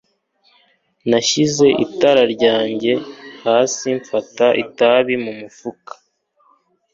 nashyize itara ryanjye hasi, mfata itabi mu mufuka